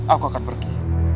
aku akan pergi